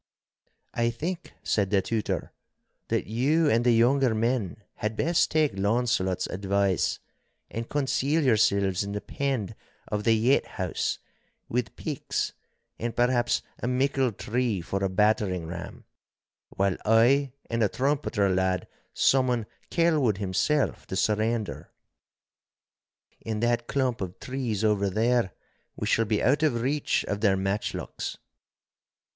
'I think,' said the Tutor, 'that you and the younger men had best take Launcelot's advice, and conceal yourselves in the pend of the yett house, with picks and, perhaps, a mickle tree for a battering ram, while I and a trumpeter lad summon Kelwood himself to surrender. In that clump of trees over there we shall be out of reach of their matchlocks.